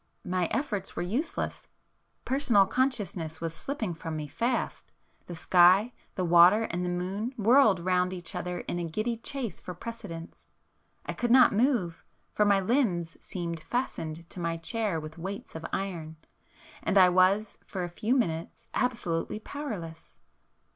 My efforts were useless,—personal consciousness was slipping from me fast,—the sky, the water and the moon whirled round each other in a giddy chase for precedence;—I could not move, for my limbs seemed fastened to my chair with weights of iron, and I was for a few minutes absolutely powerless.